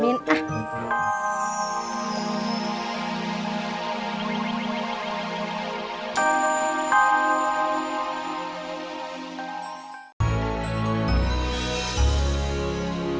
bu tati mau ke pasar bu